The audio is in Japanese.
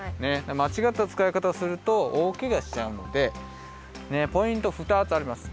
まちがったつかいかたをするとおおけがしちゃうのでポイントふたつあります。